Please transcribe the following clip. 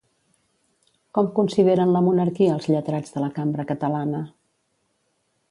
Com consideren la monarquia els lletrats de la cambra catalana?